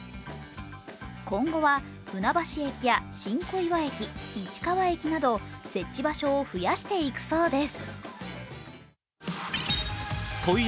今後は船橋駅や新小岩駅、市川駅など設置場所を増やしていくそうです。